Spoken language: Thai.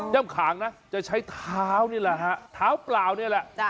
ขางนะจะใช้เท้านี่แหละฮะเท้าเปล่านี่แหละ